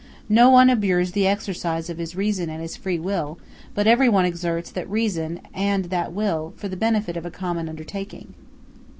No one abjures the exercise of his reason and his free will; but every one exerts that reason and that will for the benefit of a common undertaking.